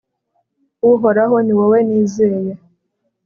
uhoraho, ni wowe nizeye